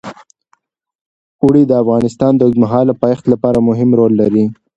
اوړي د افغانستان د اوږدمهاله پایښت لپاره مهم رول لري.